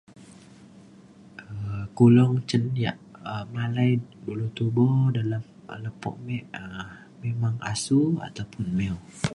um kulong cen ia’ malai dulu tubo dalem um lepo me um memang asu ataupun mew